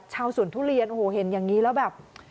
ชาวสวนทุเรียนโอ้โหเห็นอย่างนี้แล้วแบบ